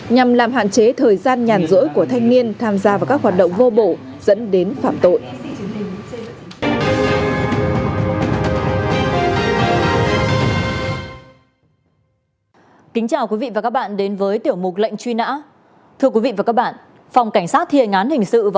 nhằm làm hạn chế thời gian nhàn rỗi của thanh niên tham gia vào các hoạt động vô bộ dẫn đến phạm tội